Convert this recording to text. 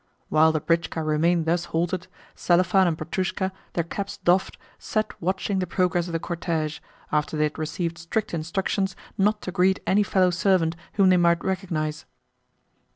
While the britchka remained thus halted Selifan and Petrushka, their caps doffed, sat watching the progress of the cortege, after they had received strict instructions not to greet any fellow servant whom they might recognise.